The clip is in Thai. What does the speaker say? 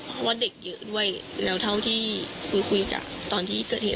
เพราะว่าเด็กเยอะด้วยแล้วเท่าที่คุยคุยจากตอนที่เกิดเหตุ